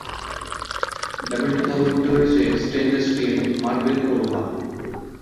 ব্যবহৃত ধাতুর মধ্যে রয়েছে স্টেইনলেস স্টিল, মার্বেল ও লোহা।